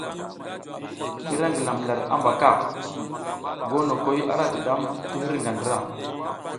I ra ngilam lar habaka, gonokoy ara jidam tir hirga ndra.